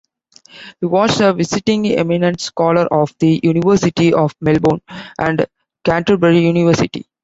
He was a Visiting Eminent Scholar of the University of Melbourne and Canterbury University.